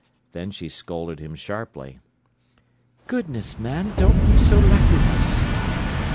Then she scolded him sharply. "Goodness, man, don't be so lachrymose."